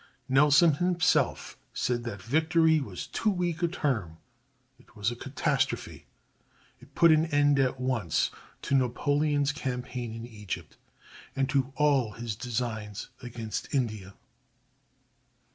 Nelson himself said that victory was too weak a term—it was a catastrophe. It put an end at once to Napoleon's campaign in Egypt, and to all his designs against India.